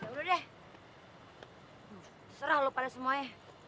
udah udah deh terserah lo pada semuanya